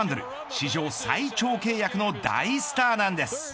史上最長契約の大スターなんです。